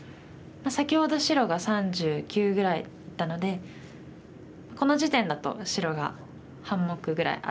先ほど白が３９ぐらいだったのでこの時点だと白が半目ぐらい厚そうで。